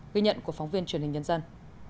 ghi nhận của phóng viên truyền hình nhân dân